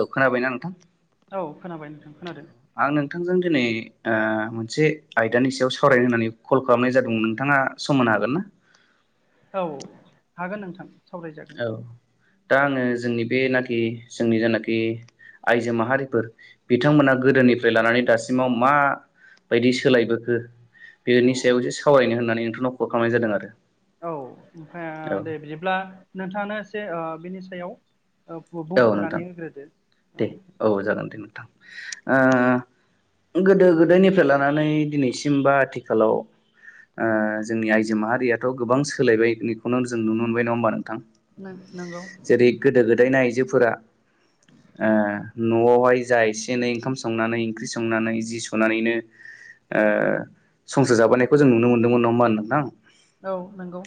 औ खोनाबायना नोंथां? औ खोनाबाय नोंथां खोनादों। आं नोंथांजों दिनै ओ मोनसे आयदानि सायाव सावरायनो होननानै कल खालामनाय जादोंमोन नोंथाङा सम होनो हागोन ना? औ हागोन नोंथां। सावरायजागोन औ दा औ आङो जोंनि बेनाखि जोंनि जानाखि आइजो माहारिफोर बिथांमोना गोदोनिफ्राय लानानै दासिमाव मा बायदि सोलायबोखो बेनि औ सायाव एसे सावरायनो होननानै नोंथांनाव खल खालामनाय जादों आरो औ ओमफ्राय दे बिदिब्ला नोंथाङानो एसे ओ बिनि सायाव ओ औ नोंथां बुंफोरनानै होग्रोदो दे औ जागोन दे नोंथां ओ गोदो गोदायनिफ्राय लानानै दिनैसिम बा आथिखालाव ओ जोंनि आइजो माहारियाथ' गोबां सोलायबाय बेखौनो जों नुनो मोनबाय नङा होमबा नोंथां। नों नंगौ। जेरै गोदो गोदायनि आइजोफोरा ओ न'आवहाय जा ए से एनै ओंखाम संनानै ओंख्रि संनानै जि सुनानैनो ओ संसार जाबोनायखौ जों नुनो मोन्दोंमोन नङा होनबा नोंथां। औ नंगौ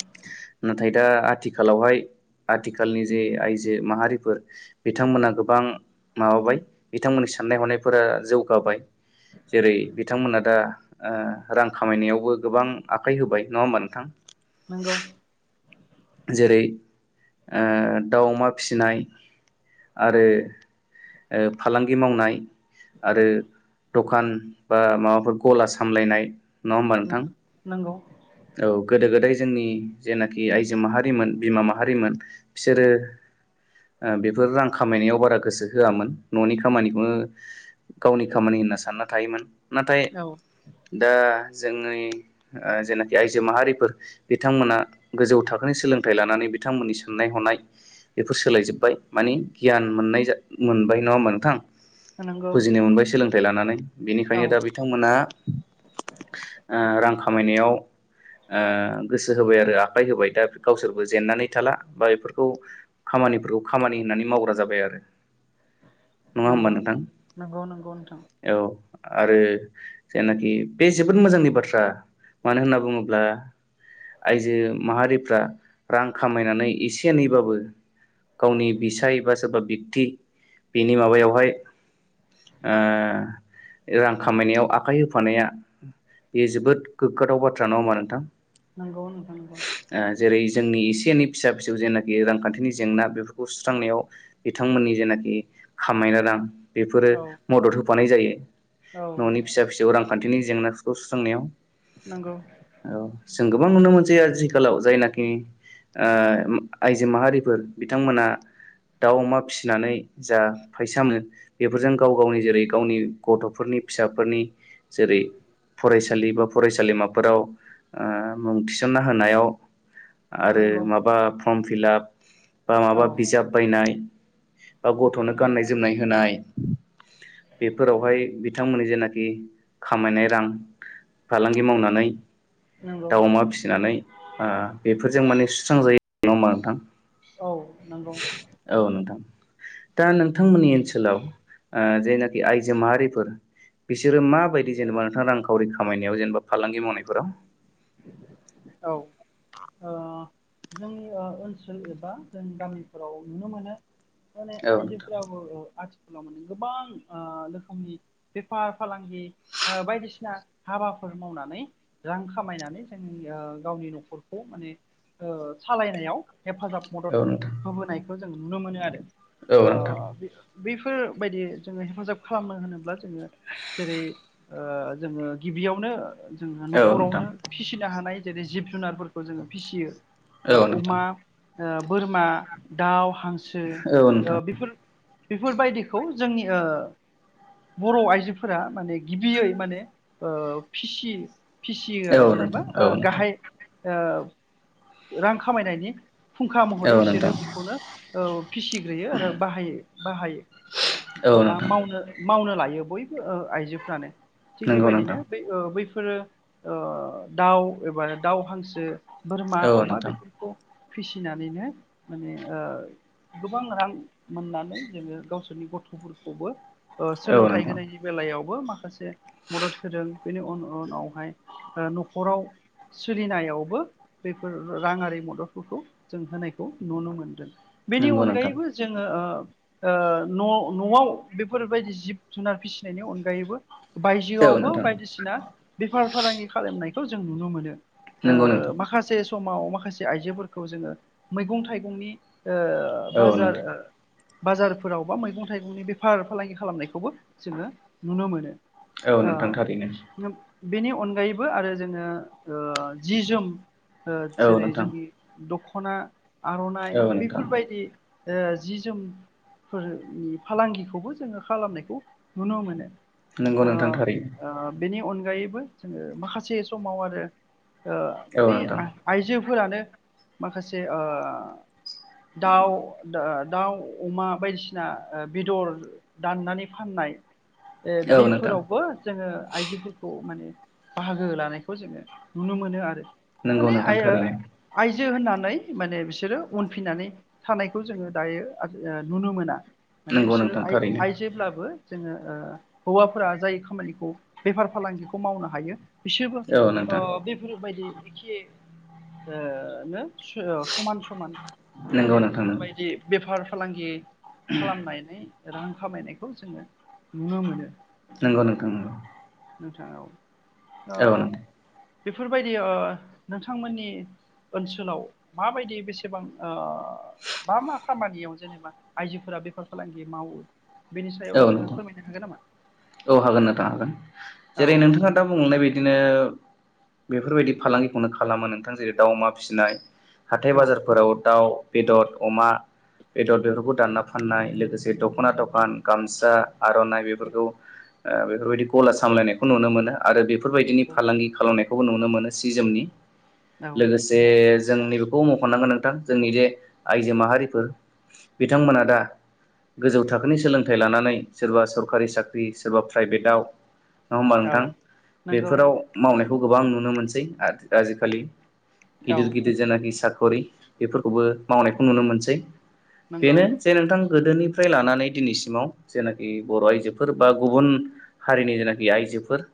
नाथाय दा आथिखालावहाय आथिखालनि जे आइजो माहारिफोर बिथांमोना गोबां माबाबाय बिथांमोननि साननाय हनायफोरा जौगाबाय। जेरै बिथांमोना दा ओ रां खामायनायावबो गोबां आखाइ होबाय नङा होमबा नोंथां नोंगौ जेरै ओ दाउ अमा फिसिनाय आरो ओ फालांगि मावनाय आरो दखान बा माबाफोर गला सामलायनाय नङा होमबा नंगौ नोंथां नंगौ औ गोदो गोदाय जोंनि जेनाखि आइजो माहारिमोन बिमा माहारिमोन बिसोरो ओ बेफोर रां खामायनायाव बारा गोसो होआमोन ननि खामानिखौनो गावनि खामानि होनना सानना थायोमोन नाथाय औ दा जोंयै ओ जेननाखि आइजो माहारिफोर बिथांमोना गोजौ थाखोनि सोलोंथाइ लानानै बिथांमोननि साननाय हनाय बेफोर सोलायजोबबाय मानि गियान मोननाय मोनबाय नङा होनबा नोंथां। नंगौ बुजिनो मोनबाय सोलोंथाइ लानानै औ बेनिखायनो दा बे थांमोना ओ रां खामायनायाव ओ गोसो होबाय आरो आखाइ होबाय दा गावसोरबो जेननानै थाला बा बेफोरखौ खामानिफोरखौ खामानि होननानै मावग्रा जाबाय आरो नङा होमबा नंगौ नोंथां नंगौ नंगौ नोंथां औ आरो जायनाखि बे जोबोद मोजांनि बाथ्रा मानो होनना बुङो ल्बा आइजो माहारिफ्रा रां खामायनानै एसे एनैबाबो गावनि बिसाय बा सोरबा [unintelligible] बेनि माबायावहाय ओ रां खामायनायाव आखाइ होफानाया बेयो जोबोद गोग्गाथाव बाथ्रा नङा होमबा नोंथां नंगौ नोंथां नंगौ ओ जेरै जोंनि एसे एनै फिसा फिसौ जेनाखि रांखान्थिनि जेंना बेफोरखौ सुस्रांनायाव बिथांमोननि जेनाखि [unintelligible] रां बेफोरो औ मदद होफानाय जायो औ ननि फिसा फिसौ रांखान्थिनि जेंनाफोरखौ सुस्रांनायाव नंगौ औ जों गोबां नुनो मोनसै आथिखालाव जायनाखि ओ आइजो माहारिफोर बिथांमोना दाउ अमा फिसिनानै जा फैसा मोनो बेफोरजों गाव गावनि जेरै गावनि गथफोरनि फिसाफोरनि जेरै फरायसालि बा फरायसालिमाफोराव ओ मुं थिसनना होनायाव आरो नंगौ माबा फर्म फिलाप बा औ माबा बिजाब बायनाय बा गथनो गाननाय जोमनाय होनाय बेफोरावहाय बिथांमोननि जेनाखि खामायनाय रां फालांगि मावनानै नंगौ दाउ अमा फिसिनानै ओ बेफोरजों माने सुस्रांजायो नङा होमबा नोंथां औ नंगौ औ नोंथां दा नोंथांमोननि ओनसोलाव ओ जेनाखि आइजो माहारिफोर बिसोरो माबायदि जेनेबा नोंथां रांखावरि खामायनायाव जेनेबा फालांगि मावनायफोराव औ ओ जोंनि ओ ओनसोल एबा जों गामिफोराव नुनो मोनो माने औ नोंथां आइजोफोराबो आथिखालाव माने गोबां रोखोमनि बेफार फालांगि ओ बायदिसिना हाबाफोर मावनानै रां खामायनानै जोंनि ओ गावनि नखरखौ माने ओ सालायनायाव हेफाजाब मदद होबोनायखौ जों नुनो मोनो आरो औ नोंथां ओ बे बैफोरबायदि जोङो हेफाजाब खालामनो होनोब्ला जोङो जेरै ओ जोङो गिबियावनो जोहा औ नोंथां नखरावनो फिसिनो हानाय जेरै जिब जुनारफोरखौ जोङो फिसियो औ ओ नोंथां अमा ओ बोरमा दाउ हांसो औ नोंथां ओ बेफोर बेफोरबायदिखौ जोंनि ओ बर आइजोफोरा माने गिबियै माने ओ फिसि फिसियो आरो औ जेनेबा नोंथां गाहाय रां खामायनायनि फुंखा औ महरै नोंथां बिसोरो बेखौनो फिसिग्रोयो आरो बाहायो बाहायो औ बा नोंथां मावनो मावनो लायो बयबो आइजोफ्रानो थिग बेबायदिनो बे बैफोरो दाउ एबा दाउ हांसो बोरमा औ नोंथां औ नोंथां नंगौ नोंथां औ अमा नोंथां बेफोरखौ फिसिनानैनो माने गोबां रां मोननानै जोङो गावसोरनि गथ'फोरखौबो औ सोलोंथाइ नोंथां होनायनि बेलायावबो माखासे मदद होदों बेनि उन-उन-उनावहाय नखराव सोलिनायावबो बेफोर राङारि मददफोरखौ जों होनायखौ नुनो मोनदों बेनि नंगौ नोंथां अनगायैबो जोङो ओ ओ न-नआव बेफोरबायदि जिब जुनार फिसिनायनि अनगायैबो औ बायजोआवबो नोंथां बायदिसिना बेफार फालांगि खालामनायखौ जों नुनो मोनो नंगौ नोंथां माखासे समाव माखासे आइजोफोरखौ जोङो मैगं थाइगंनि औ बाजार नोंथां ओ बाजारफोराव बा मैगं थाइगंनि बेफार फालांगि खालामनायखौबो जोङो नुनो मोनो औ नोंथां थारैनो नो बेनि अनगायैबो आरो जोङो ओ जि जोम ओ औ जेरै नोंथां जोंनि दख'ना आर'नाइ औ नोंथां बेफोरबायदि ओ जि जोम फोरनि फालांगिखौबो जोङो खालामनायखौ नुनो मोनो नोंगौ ओ नोंथांथारै ओ बेनि अनगायैबो जोङो माखासे समाव आरो ओ औ बै नोंथां आइजोफोरानो माखासे ओ दाउ दाउ अमा बायदिसिना बेदर दाननानै फाननाय ओ औ नोंथां बिफोरावबो जोङो आइजोफोरखौ माने लोगो लानायखौ जोङो नुनो मोनो आरो नंगौ माने नोंथां आइयो थारैनो आयजो होननानै माने बिसोरो उनफिननानै थानायखौ जोङो दायो नुनो मोना माने नंगौ बिसोरो नोंथां आइ थारैनो आइजोेब्लाबो जोङो ओ हौवाफोरा जाय खामानिखौ बेफार फालांगिखौ मावनो हायो बिसोरबो औ नोंथां ओ बेफोरबायदि खि ओ नो समान समान नंगौ नोंथां बेफोरबाय जि बेफार फालांगि खालामनायनाय रां खामायनायखौ जोङो नुनो मोनो नंगौ औ नोंथां नंगौ नोंथां ओव औ ओ नोंथां बेफोरबायदि ओ नोंथांमोननि ओनसोलाव माबायदि बेसेबां ओ मा मा खामानियाव जेनेबा आइजोफोरा बेफार फालांगि मावो बेनि सायाव औ नोंथाङा नोंथां फोरमायनो हागोन नामा? औ हागोन नोंथां हागोन औ जेरै नोंथाङा दा बुंनाय बिदिनो बेफोरबायदि फालांगिखौनो खालामो नोंथां जेरै दाव अमा फिसिनाय हाथाय औ बाजारफोराव दाउ बेदर अमा बेदर बेफोरखौ दानना फाननाय लोगोसे दख'ना दखान गामसा आर'नाइ बेफोरखौ ओ बेफोरबायदि गला सामलायनायखौ नुनो मोनो आरो बेफोरबायदिनि फालांगि खालामनायखौबो नुनो मोनो सि जोमनि लोगोसे जे जों नैबेखौ मख'नांगोन नोंथां जोंनि जे आइजो माहारिफोर बिथांमोना दा गोजौ थाखोनि सोलों थाइ लानानै सोरबा सरखारि साख्रि सोरबा प्राइभेटआव नङा होमबा नोंथां? नंगौ बेफोराव मावनायखौ गोबां नुनो मोनसै आथि आजिखालि औ गिदिर गिदिर जेनाखि साख'रि बेफोरखौबो मावनायखौ नुनो मोनसै नंगौ बेनो जे नोंथां गोदोनिफ्राय लानानै दिनैसिम सिमाव जेनाखि बर' आइजोफोर बा गुबुन हारिनि जेनाखि आइजोफोर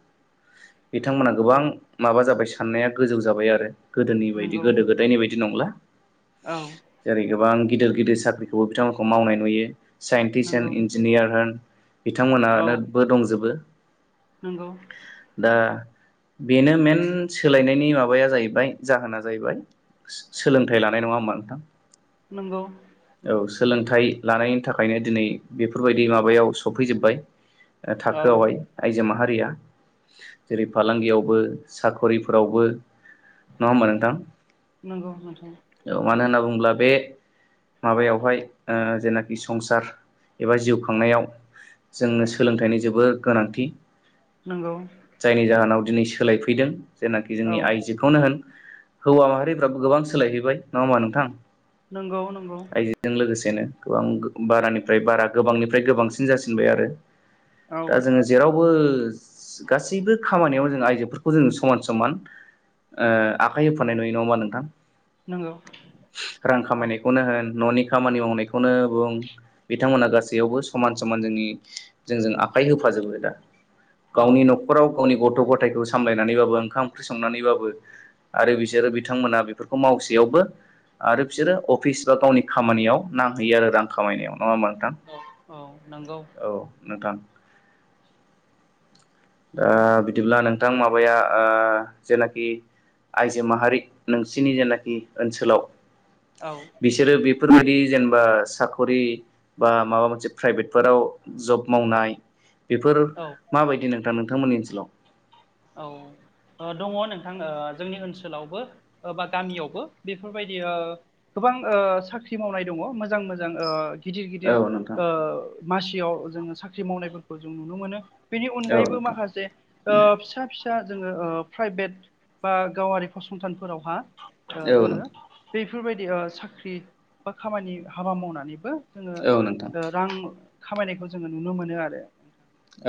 बिथांमोनहा औ गोबां माबा जाबाय साननाया गोजौ जाबाय आरो गोदोनि बायदि नंगौ गोदो गोद दायनि बायदि नंला। औ। जेरै गोबां गिदिर गिदिर साख्रिखौबो बिथांमोनखौ मावनाय नुयो साइन्टिस्ट एण नंगौ इन इन्जिनियार होन बिथांमोनहानो बो दंजोबो। नोंगौ। दा बेनो मेन सोलायनायनि माबाया जाहैबाय जाहोना जाहैबाय सोलोंथाइ लानाय नङा होमबा नोंथां? नोंगौ औ सोलोंथाइ लानायनि थाखायनो दिनै बेफोरबायदि माबायाव सौफैजोब्बाय औ थाखोआवहाय आइजो माहारिया जेरै फालांगियावबो साखरिफोरावबो नङा होमबा नोंथां? नंगौ नोंथां औ मानो होनना बुङोब्ला बे माबायावहाय ओ जेनाखि संसार एबा जिउ खांनायाव जोंनो सोलोंथाइनि जोबोद गोनांथि नंगौ जायनि उम जाहोनाव दिनै सोलाय हैैदों जेनाखि औ जोंनि आइजोखौनो होन हौवा माहारिफ्राबो गोबां सोलायहैबाय नङा होमबा नोंथां? नंगौ नंगौ। आइजोजों लोगोसेनो गोबां बारानिफ्राय बारा गोबांनिफ्राय गोबांसिन जासिनबाय आरो। औ दा जोङो जेरावबो गासिबो खामानियावनो जों आइजोफोरखौ जों समान समान ओ आखाइ होफानाय नुयो नङा होमबा नोंथां नंगौ रां औ खामायनायखौनो होन न'नि खामानि मावनायखौनो बुं। बिथांमोनहा गासैयावबो समान समान जोंनि, जोंजों आखाइ होफाजोबो दा। औ गावनि न'खराव गावनि गथ' गथायखौ सामलायनानैबाबो ओंखाम ओंख्रि संनानैबाबो आरो बिसोरो बिथांमोना बेफोरखौ मावसेयावबो आरो बिसोरो अफिस बा गावनि खामानियाव नांहैयो आरो रां खामायनायाव, नङा होमबा नोंथां? औ औ नोंगौ। औ नोंथां। ओ बिदिब्ला नोंथां माबाया ओ जेनाखि आइजो माहारि, नोंसिनि जेनाखि ओनसोलाव औ। बिसोरो बेफोरबायदि जेनेबा साख'रि बा माबा मोनसे प्राइभेटफोराव जब मावनाय बेफोर औ माबायदि नोंथा नोंथांमोननि ओनसोलाव? औ। ओ दङ' नोंथां ओ जोंनि ओनसोलावबो बा गामियावबो बेफोरबायदि ओ गोबां ओ साख्रि मावनाय दङ' मोजां मोजां ओ गिदिर गिदिर औ नोंथां ओ मासियाव जोङो साख्रि मावनायफोरखौ जों नुनो मोनो। बेनि औ अनगायैबो नोंथां माखासे ओ सा फिसा जोङो ओ प्राइभेट बा गावारि फसंथानफोरावहा ओ औ जोङो नोंथां बेफोरबायदि साख्रि बा खामानि हाबा मावनानैबो जोङो औ नोंथां ओ रां खामायनायखौ जोङो नुनो मोनो आरो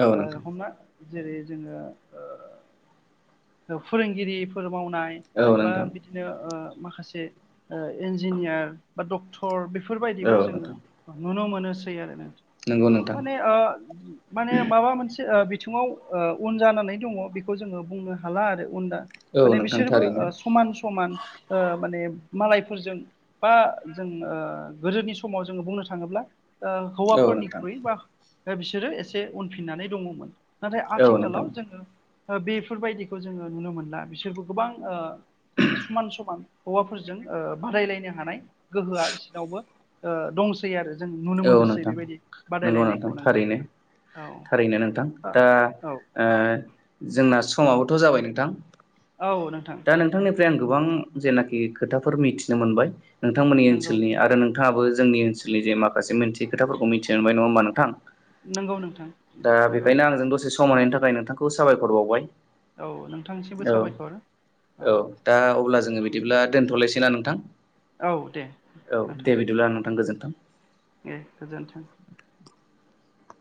औ ओ नोंथां हमना जेरै जोङो ओ फोरोंगिरिफोर मावनाय औ बा नोंथां बिदिनो ओ माखासे ओ इन्जिनियार बा डक्टर, औ बेफोरबायदिबो जोङो नोंथां नुनो मोनोसै आरो ना। नंगौ नोंथां माने ओ माने माबा मोनसे ओ बिथिङाव ओ उन जानानै दङ' बेखौ जोङो बुंनो हाला आरो उनदा, औ माने नोंथां बिसोरबो थारैनो समान समान ओ माने मालायफोरजों बा जों ओ गोदोनि समाव जोङो बुंनो थाङोब्ला ओ औ नोंथां हौवाफोरनिख्रुइ बा बिसोरो एसे उनफिननानै दङ'मोन। नाथाय औ नोंथां आथिखालाव जोङो बेफोरबायदिखौ जोङो नुनो मोनला बिसोरबो गोबां ओ माने समान समान हौवाफोरजों ओ बादायलायनो हानाय। गोहोआ बिसिनावबो ओ दंसै आरो जों नुनो औ मोनोसै नोंथां बेबायदि नंगौ बादायलायनायखौ नोंथां। थारैनो औ थारैनो नोंथां। दा औ ओ जोंना समाबोथ' जाबाय नोंथां‌। औ नोंथां। नोंथांनिफ्राय आं गोबां जेनाखि खोथाफोर मिथिनो मोनबाय नोंथांमोननि नंगौ ओनसोलनि आरो नों थाङाबो जोंनि ओनसोलनि जे माखासे मोनसे खोथाफोरखौ मिथिनो मोनबाय नङा होमबा नोंथां? नंगौ नोंथां दा औ बेखायनो आंजों दसे सम होनायनि थाखाय नोंथांखौ साबायखर बावबाय। औ नोंथांनिसिमबो औ साबायखर। औ दा अब्ला जोङो बिदिब्ला दोनथ'लायसै ना नोंथां। औ दे औ नोंथां दे बिदिब्ला नोंथां गोजोन्थों। दे गोजोन्थों।